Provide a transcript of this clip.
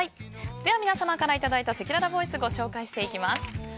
では皆様からいただいたせきららボイスご紹介していきます。